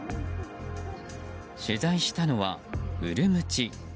到着したのは、ウルムチ。